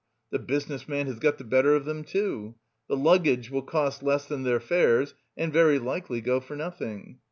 The business man has got the better of them, too. The luggage will cost less than their fares and very likely go for nothing.